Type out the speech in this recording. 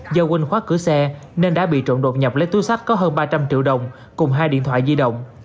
do quên khoát cửa xe nên đã bị trộn đột nhập lấy túi sắt có hơn ba trăm linh triệu đồng cùng hai điện thoại di động